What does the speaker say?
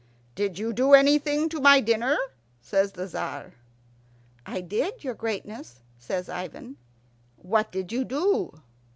"Did you do anything to my dinner?" says the Tzar. "I did, your greatness," says Ivan. "What did you do?"